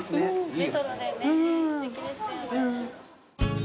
レトロでねすてきですよね。